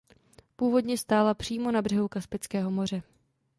Původně stála přímo na břehu Kaspického moře.